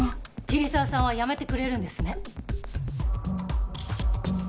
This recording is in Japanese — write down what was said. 桐沢さんは辞めてくれるんですね？